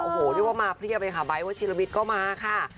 โอ้โหเรียกว่ามาเพียบเลยค่ะไบท์วชิลวิทย์ก็มาค่ะ